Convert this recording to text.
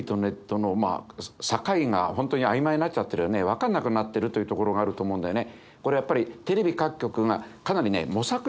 分かんなくなってるというところがあると思うんだよね。